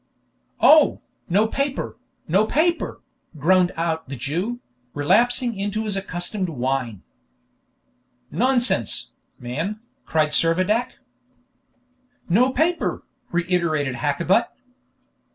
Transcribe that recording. "Oh, no paper, no paper!" groaned out the Jew, relapsing into his accustomed whine. "Nonsense, man!" cried Servadac. "No paper!" reiterated Hakkabut.